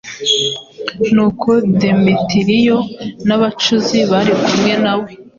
Nuko Demetiriyo n’abacuzi bari kumwe na we,